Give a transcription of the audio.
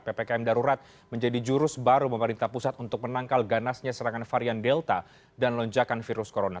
ppkm darurat menjadi jurus baru pemerintah pusat untuk menangkal ganasnya serangan varian delta dan lonjakan virus corona